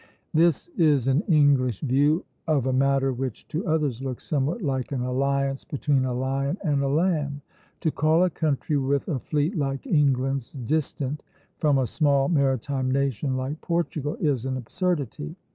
This is an English view of a matter which to others looks somewhat like an alliance between a lion and a lamb. To call a country with a fleet like England's "distant" from a small maritime nation like Portugal is an absurdity.